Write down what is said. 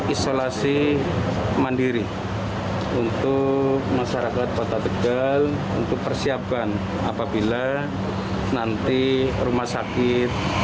isolasi mandiri untuk masyarakat kota tegal untuk persiapkan apabila nanti rumah sakit